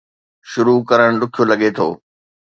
شروع ڪرڻ ڏکيو لڳي ٿو